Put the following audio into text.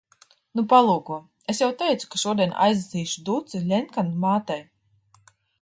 Nu, palūko. Es jau teicu, ka šodien aiznesīšu duci Ļenkanu mātei.